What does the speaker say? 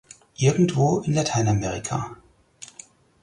Irgendwo in Lateinamerika.